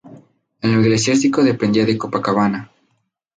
En lo eclesiástico dependía de Copacabana.